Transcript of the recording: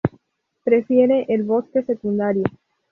Prefiere el bosque secundario.